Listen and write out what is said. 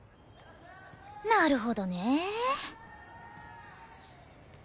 なるほどねえ。